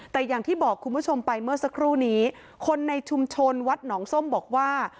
แต่อย่างที่บอกคุณผู้ชมไปเมื่อสักครู่นี้คนในชุมชนวัดหนองส้มบอกว่า